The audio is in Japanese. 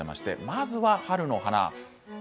まずは春の花。